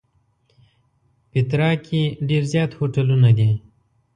پېټرا کې ډېر زیات هوټلونه دي.